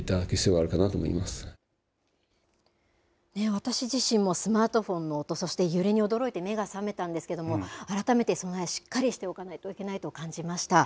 私自身もスマートフォンの音そして揺れに驚いて目が覚めたんですけれども改めて備えしっかりしておかなければいけないと感じました。